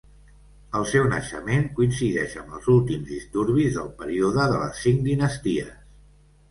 El seu naixement coincideix amb els últims disturbis del període de les Cinc Dinasties.